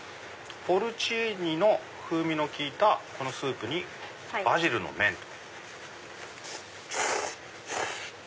ポルチーニの風味の利いたこのスープにバジルの麺と。